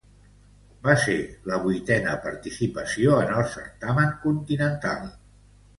Va ser la vuitena participació en el certamen continental.